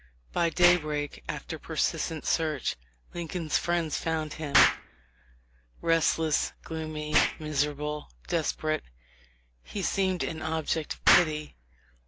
By daybreak, after persistent search, Lincoln's friends found him. Restless, gloomy, miserable, desperate, he seemed an object of pity.